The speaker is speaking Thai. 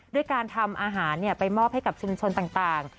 ด้วยการทำอาหารไปมอบให้กับชุมชนต่าง